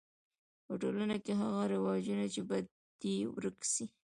په ټولنه کی هغه رواجونه چي بد دي ورک سي.